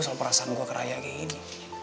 soal perasaan gue ke raya kayak gini